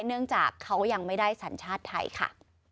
เนื่องจากเขายังไม่ได้สัญชาติไทยค่ะ